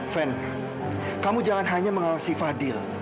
van kamu jangan hanya mengawasi fadil